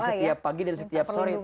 setiap pagi dan setiap sore